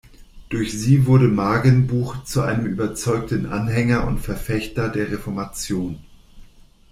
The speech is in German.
Durch sie wurde Magenbuch zu einem überzeugten Anhänger und Verfechter der Reformation.